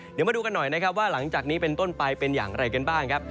เดี๋ยวมาดูกันหน่อยนะครับว่าหลังจากนี้เป็นต้นไปเป็นอย่างไรกันบ้างครับ